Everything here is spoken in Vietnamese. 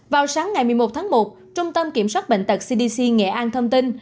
vào sáng ngày một mươi một tháng một trung tâm kiểm soát bệnh tật cdc nghệ an thông tin